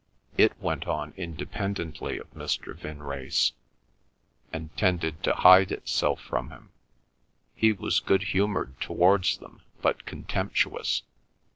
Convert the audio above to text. It went on independently of Mr. Vinrace, and tended to hide itself from him. He was good humoured towards them, but contemptuous.